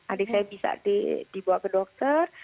adik saya bisa dibawa ke dokter